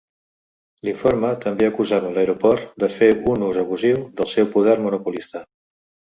L"informe també acusava l"aeroport de fer un ús abusiu del ser poder monopolista.